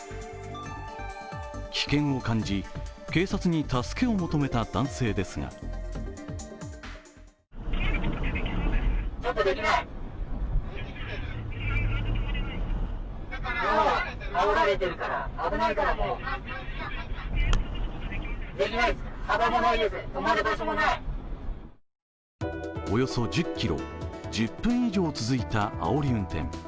危険を感じ、警察に助けを求めた男性ですがおよそ１０ｋｍ、１０分以上続いたあおり運転。